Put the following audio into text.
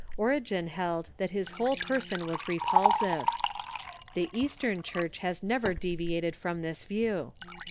Origen held that his whole person was repulsive. The Eastern Church has never deviated from this view.